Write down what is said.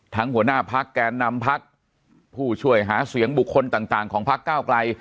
ทั้งหัวหน้าภักดิ์แก่นำภักดิ์ผู้ช่วยหาเสียงบุคคลต่างของภักดิ์ก้าวกลัย